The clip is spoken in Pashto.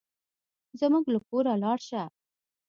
زموږ له کوره لاړ شه.